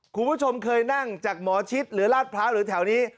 คุณผู้ชมเคยนั่งจากหมอชิดหรือลาดพร้าวหรือแถวนี้